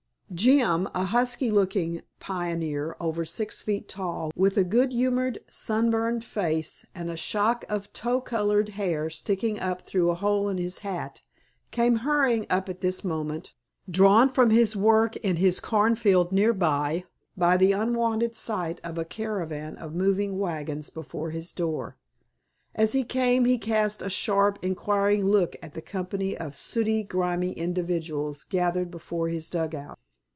"Jim," a husky looking pioneer over six feet tall, with a good humored sunburned face and a shock of tow colored hair sticking up through a hole in his hat, came hurrying up at this moment, drawn from his work in his cornfield near by by the unwonted sight of a caravan of moving wagons before his door. As he came he cast a sharp, inquiring look at the company of sooty, grimy individuals gathered before his dugout.